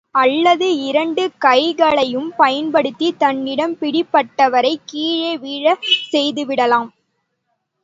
அல்லது இரண்டு கைகளையும் பயன்படுத்தி தன்னிடம் பிடிபட்டவரை கீழே விழச் செய்துவிடலாம்.